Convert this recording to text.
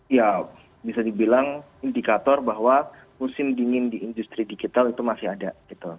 ya bisa dibilang indikator bahwa musim dingin di industri digital itu masih ada gitu